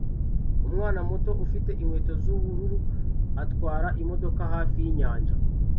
Umwana muto ufite inkweto z'ubururu atwara imodoka hafi yinyanja